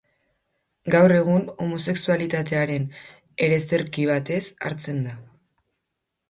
Gaur egun, homosexualitatearen ereserki batez hartzen da.